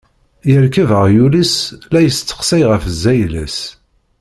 Irkeb aɣyul-is, la isteqsay ɣef zzayla-s.